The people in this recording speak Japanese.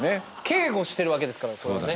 警護してるわけですから。